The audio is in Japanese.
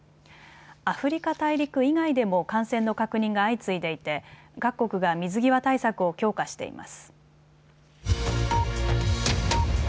アフリカ大陸以外でも感染の確認が相次いでいて各国が水際対策を強化しています。